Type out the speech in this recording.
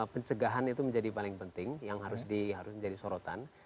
pencegahan itu menjadi paling penting yang harus menjadi sorotan